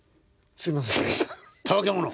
すいません。